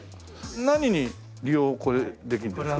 何に利用これできるんですか？